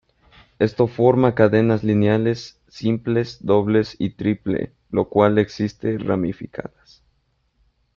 Esto forma cadenas lineales simples dobles y triple lo cual existe ramificadas.